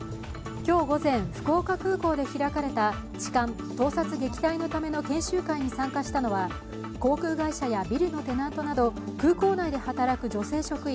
今日午前、福岡空港で開かれた長官・盗撮撃退のための研修会に参加したのは航空会社やビルのテナントなど空港内で働く女性職員